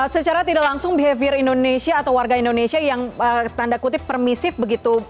secara tidak langsung behavior indonesia atau warga indonesia yang tanda kutip permisif begitu